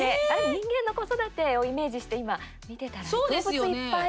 人間の子育てをイメージして今、見てたら動物いっぱい。